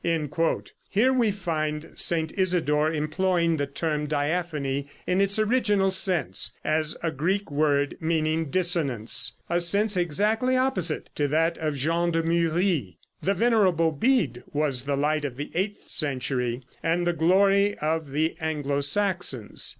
Here we find St. Isidore employing the term diaphony in its original sense, as a Greek word, meaning dissonance a sense exactly opposite to that of Jean de Muris. The Venerable Bede was the light of the eighth century, and the glory of the Anglo Saxons.